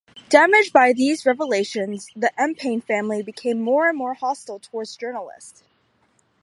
Damaged by these revelations, the Empain family became more and more hostile towards journalists.